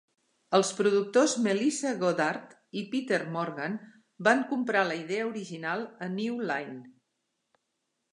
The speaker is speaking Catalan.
Els productors Melissa Goddard i Peter Morgan van comprar la idea original a New Line.